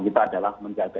kita adalah menjaga